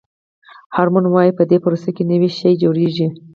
هارمون وایي په دې پروسه کې نوی شی جوړیږي.